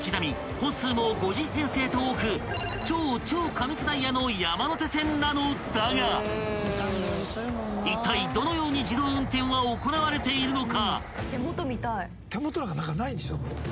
本数も５０編成と多く超超過密ダイヤの山手線なのだがいったいどのように自動運転は行われているのか？］